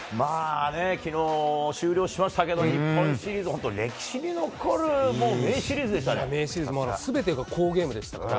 昨日、終了しましたけど日本シリーズ、歴史に残る全てが好ゲームでしたから。